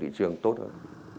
thị trường tốt hơn